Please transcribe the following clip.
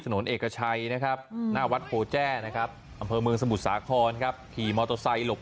เอกชัยนะครับหน้าวัดโพแจ้นะครับอำเภอเมืองสมุทรสาครครับขี่มอเตอร์ไซค์หลบ